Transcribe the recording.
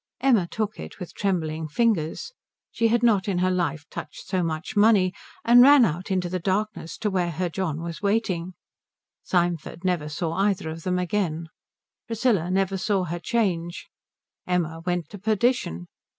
Emma took it with trembling fingers she had not in her life touched so much money and ran out into the darkness to where her John was waiting. Symford never saw either of them again. Priscilla never saw her change. Emma went to perdition.